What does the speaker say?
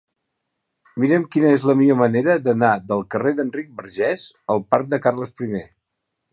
Mira'm quina és la millor manera d'anar del carrer d'Enric Bargés al parc de Carles I.